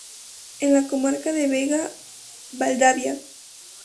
En la comarca de Vega-Valdavia.